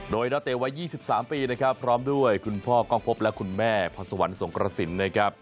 โดยนักเตะวัย๒๓ปีนะครับพร้อมด้วยคุณพ่อกล้องพบและคุณแม่พรสวรรค์สงกระสินนะครับ